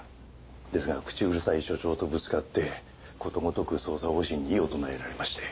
ですが口うるさい署長とぶつかってことごとく捜査方針に異を唱えられまして。